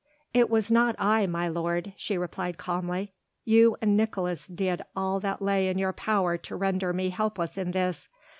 "It was not I, my lord," she replied calmly, "you and Nicolaes did all that lay in your power to render me helpless in this.